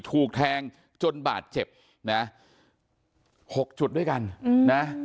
ถูกแทงจนบาดเจ็บนะ๖จุดด้วยกันนะ